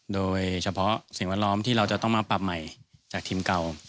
โดยเฉพาะสิ่งแวดล้อมที่เราจะต้องมาปรับใหม่จากทีมเก่า